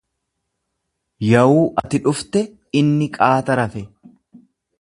Yawuu ati dhufte, inni qaata rafe.